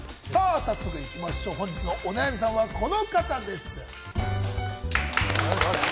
早速いきましょう、本日のお悩みさんはこの方です。